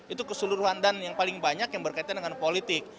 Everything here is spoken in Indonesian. itu keseluruhan dan yang paling banyak yang berkaitan dengan politik